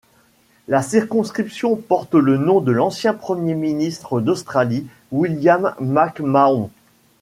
La circonscription porte le nom de l'ancien Premier ministre d'Australie William McMahon.